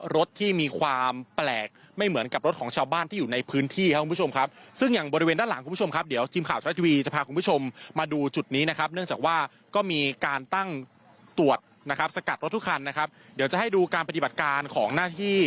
รถทุกคันนะครับเดี๋ยวจะให้ดูการปฏิบัติการของหน้าที่